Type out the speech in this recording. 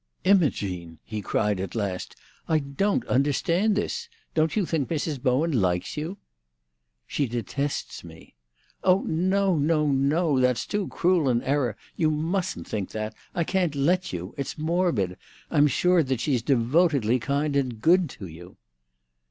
"Imogene!" he cried at last, "I don't understand this. Don't you think Mrs. Bowen likes you?" "She detests me." "Oh, no, no, no! That's too cruel an error. You mustn't think that. I can't let you. It's morbid. I'm sure that she's devotedly kind and good to you."